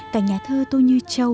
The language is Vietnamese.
cả nhà thơ tô như châu